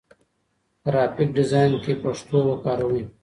ګرافيک ډيزاين کې پښتو وکاروئ.